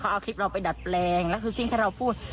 เอาคลิปเราไปดัดแปลงแล้วคือสิ่งที่เราพูด